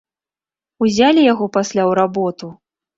Узялі яго пасля ў работу!